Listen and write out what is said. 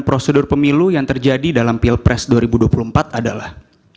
prosedur pemilu yang terjadi dalam pilpres dua ribu dua puluh empat adalah